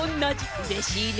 うれしいね。